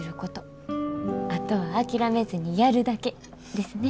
あとは諦めずにやるだけ」ですね。